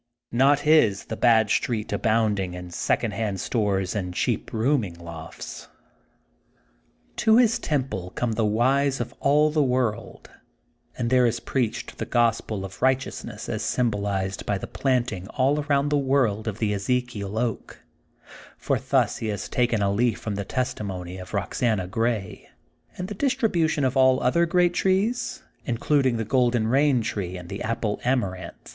Not his the bad street abounding in Becond hand stores and cheap rooming lofts. To his temple come the wise of all the world, and there is preached the gospel of righteousness as symbolized by the planting all around the world of the Ezekiel Oak (for thus he has taken a leaf from the testimony of Boxana Grey), and the distribution of aU other great trees, including the Golden Rain TreQ and the Apple Amaranth.